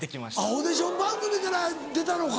オーディション番組から出たのか。